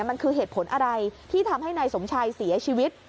มันคือเหตุผลอะไรที่ทำให้นายสมชายเสียชีวิต